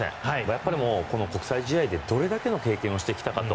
やっぱり、国際大会でどれだけの経験をしてきたかと。